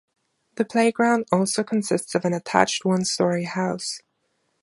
The playground also consists of an attached one-story house.